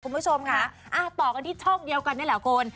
คุณผู้ชมค่ะต่อกันที่ช่องเดียวกันนี่แหละคุณ